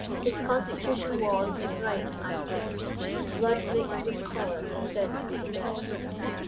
His constitution was, if right I've guess'd, Blood mixt with choler, said to be the best.